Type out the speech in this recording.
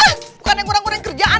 ah bukan yang ngurang ngurang kerjaan